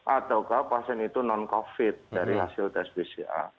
ataukah pasien itu non covid dari hasil tes pcr